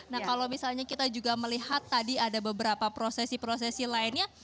nah kalau misalnya kita juga melihat tadi ada beberapa prosesi prosesi lainnya